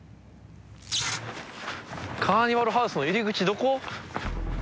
カーニバルハウスの入り口どこ？